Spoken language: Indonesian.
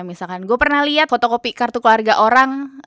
misalkan gue pernah lihat foto kopi kartu keluarga orang